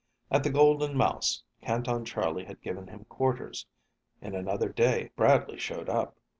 At the Golden Mouse, Canton Charlie had given him quarters. In another day, Bradley showed up.